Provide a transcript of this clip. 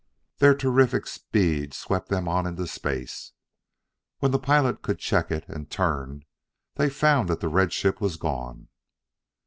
Their terrific speed swept them on into space. When the pilot could check it, and turn, they found that the red ship was gone.